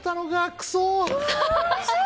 クソ。